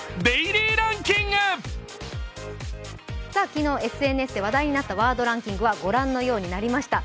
昨日、ＳＮＳで話題となったワードランキングはご覧のようになりました。